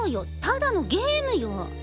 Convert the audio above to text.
ただのゲームよ！